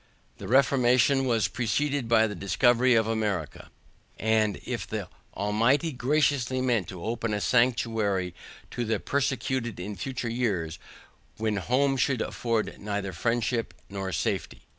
The reformation was preceded by the discovery of America, as if the Almighty graciously meant to open a sanctuary to the persecuted in future years, when home should afford neither friendship nor safety.